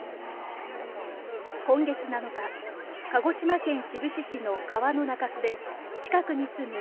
今月７日、鹿児島県志布志市の川の中州で、近くに住む